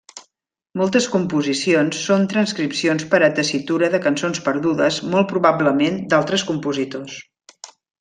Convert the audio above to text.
Moltes composicions són transcripcions per a tessitura de cançons perdudes molt probablement d'altres compositors.